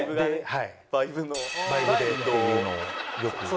はい。